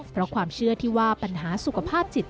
เพราะความเชื่อที่ว่าปัญหาสุขภาพจิต